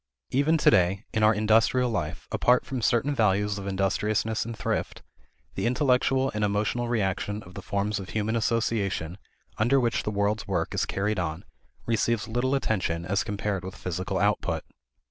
Even today, in our industrial life, apart from certain values of industriousness and thrift, the intellectual and emotional reaction of the forms of human association under which the world's work is carried on receives little attention as compared with physical output.